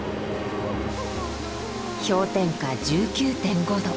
氷点下１９．５℃。